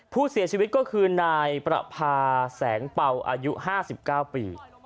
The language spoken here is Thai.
ผู้เสียชีวิตก็คือนายประพาแสงเป่าอายุ๕๙ปี